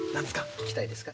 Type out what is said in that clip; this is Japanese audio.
聞きたいですか？